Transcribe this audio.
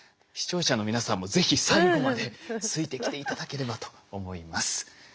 視聴者の皆さんも是非最後までついてきて頂ければと思います。